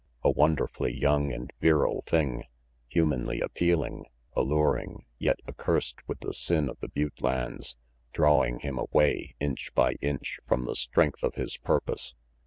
A wonderfully young and virile thing, humanly appealing, alluring, yet accursed with the sin of the butte lands drawing him away, inch by inch, from the strength of his purpose.